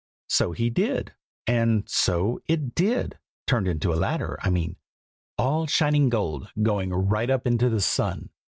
So he did, and so it did, turned into a ladder, I mean; all shining gold, going right up into the sun.